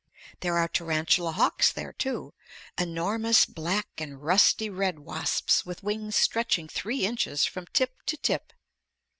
There are tarantula hawks there too, enormous black and rusty red wasps with wings stretching three inches from tip to tip.